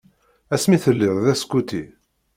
Ass mi telliḍ d askuti.